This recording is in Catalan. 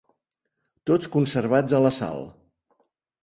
Tots conservats a la sal.